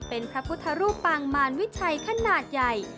เป็นพระพุทธรูปปางมารวิชัยขนาดใหญ่